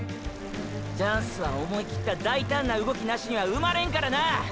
チャンスは思いきった大胆な動きなしには生まれんからな！！